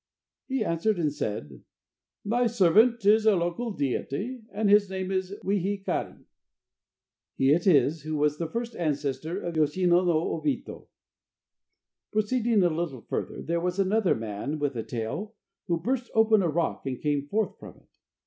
He answered and said: "Thy servant is a local deity, and his name is Wihikari." He it is who was the first ancestor of the Yoshino no Obito. Proceeding a little further, there was another man with a tail, who burst open a rock and came forth from it.